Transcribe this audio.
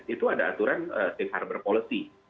itu ada aturan safe harbor policy